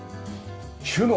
収納。